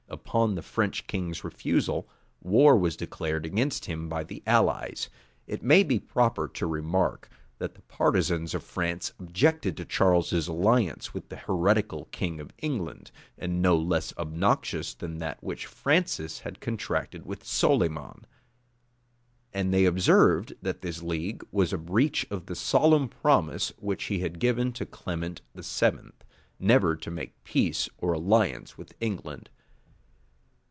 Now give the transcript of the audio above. Upon the French king's refusal, war was declared against him by the allies. It may be proper to remark, that the partisans of France objected to Charles's alliance with the heretical king of England, as no less obnoxious than that which Francis had contracted with Solyman: and they observed, that this league was a breach of the solemn promise which he had given to Clement VII., never to make peace or alliance with England.